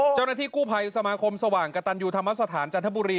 เจ้าหน้าที่กู้ภัยสมาคมสว่างกระตันยูธรรมสถานจันทบุรี